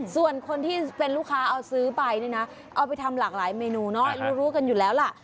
ส่วนคนที่เป็นลูกค้าเอาซื้อไปนี่นะเอาไปทำหลากหลายเมนูเนาะรู้กันอยู่แล้วล่ะ